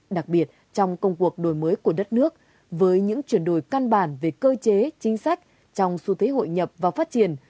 đặc biệt trong công cuộc đổi mới của đất nước với những chuyển đổi căn bản về cơ chế chính sách trong xu thế hội nhập và phát triển